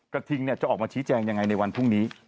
ทิงจะออกมาชี้แจงยังไงในวันพรุ่งนี้